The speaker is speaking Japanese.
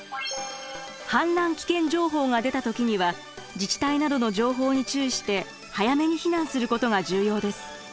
氾濫危険情報が出た時には自治体などの情報に注意して早めに避難することが重要です。